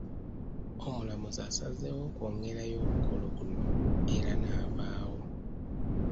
Omulamuzi asazeewo okwongezaayo omukolo guno era n’avaawo.